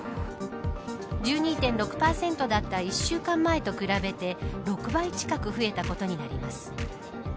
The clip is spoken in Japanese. １２．６％だった１週間前と比べて６倍近く増えたことになります。